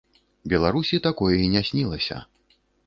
Беларусі такое і не снілася.